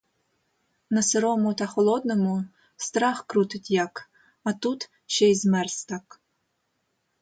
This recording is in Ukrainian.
На сирому та холодному страх крутить як, а тут ще змерз так.